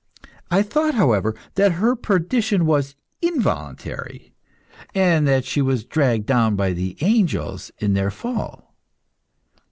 I thought, however, that her perdition was involuntary, and that she was dragged down by the angels in their fall.